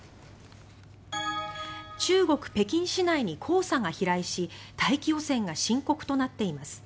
中国・北京市内に黄砂が飛来し大気汚染が深刻となっています。